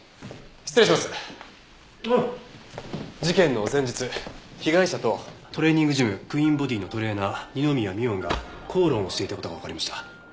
事件の前日被害者とトレーニングジムクイーンボディーのトレーナー二宮美音が口論をしていた事がわかりました。